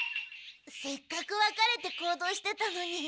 せっかく分かれて行動してたのに。